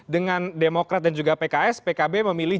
dengan demokrat dan juga pks pkb memilih